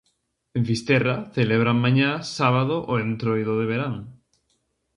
En Fisterra celebran mañá sábado o Entroido de verán.